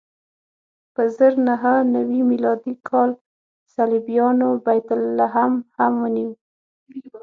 په زر نهه نوې میلادي کال صلیبیانو بیت لحم هم ونیو.